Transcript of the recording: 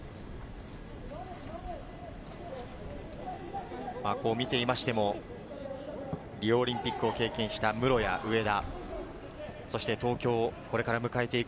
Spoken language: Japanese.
センターバックを見ていましても、リオオリンピックを経験した室屋、植田。